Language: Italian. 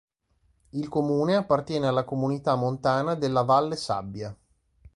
Il comune appartiene alla comunità montana della Valle Sabbia.